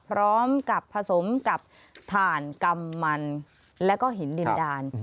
พร้อมกับผสมกับถ่านกำมันแล้วก็หินดินดาน